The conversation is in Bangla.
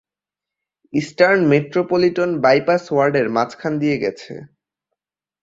ইস্টার্ন মেট্রোপলিটন বাইপাস ওয়ার্ডের মাঝখান দিয়ে গেছে।